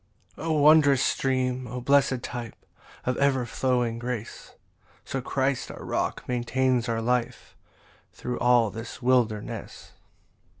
18 O wondrous stream O blessed type Of ever flowing grace! So Christ our rock maintains our life Thro' all this wilderness.